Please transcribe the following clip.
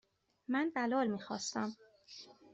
من بلال میخواستم.